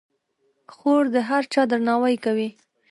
خور د هر چا درناوی کوي.